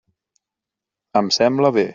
Em sembla bé.